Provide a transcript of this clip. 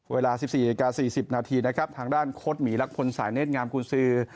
เวลา๑๔๔๐นาทีทางด้านโค้ดหมีลักษณ์สายเน็ตงามกุญศือ